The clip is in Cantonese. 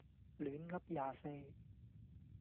亂噏廿四